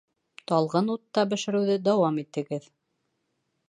Талғын утта бешереүҙе дауам итегеҙ